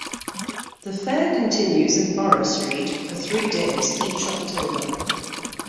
The Fair continues in Borough Street for three days each October.